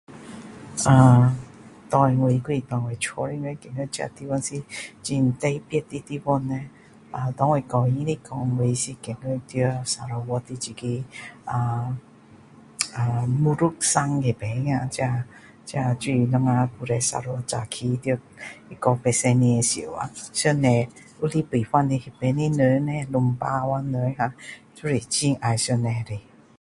啊对我还是对我家的人觉得这地方是很特别的地方 nei 啊给我私人的讲我是觉得在 Sarawak 的这个啊啊 Murud 山那边啊这这就是我们以前 Sarawak 早期在1980年时啊上帝有来开放那边的人啊 Rumbawang 人啊都是很爱上帝的